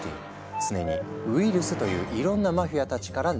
常にウイルスといういろんなマフィアたちから狙われているんだ。